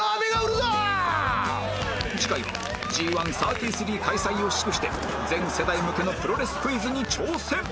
次回は Ｇ１３３ 開催を祝して全世代向けのプロレスクイズに挑戦